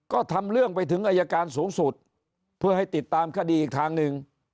ก็ทำเรื่องไปถึงอายการสูงสุดเพื่อให้ติดตามคดีอีกทางหนึ่ง